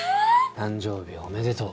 誕生日おめでとう。